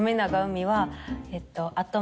海はえっと